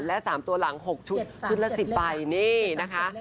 และ๓ตัวหลัง๖ชุดชุดละ๑๐ใบนี่นะคะ